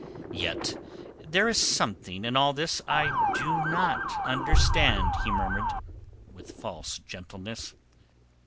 "Yet there is something in all this I do not understand," he murmured, with false gentleness.